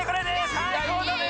さいこうだね！